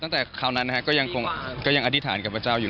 คราวนั้นก็ยังอธิษฐานกับพระเจ้าอยู่